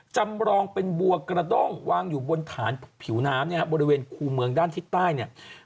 จำรองเป็นบัวกระด้มวางอยู่บนฐานผิวน้ำบริเวณคู่เมืองด้านที่ใต้